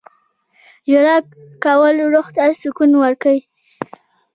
• ژړا کول روح ته سکون ورکوي.